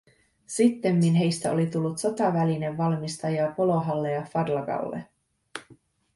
Sittemmin heistä oli tullut sotavälinevalmistajia Polohalle ja Fadlagalle.